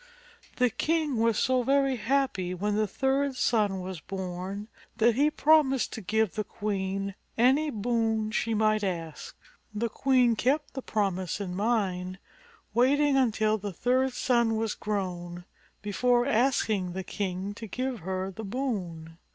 The king was so very happy when the third son was born that he promised to give the queen any boon she might ask. The queen kept the promise in mind, waiting until the third son was grown before asking the king to give her the boon.